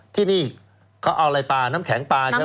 ที่นี่เขาเอาอะไรปลาน้ำแข็งปลาใช่ไหม